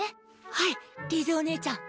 はいリーゼお姉ちゃん。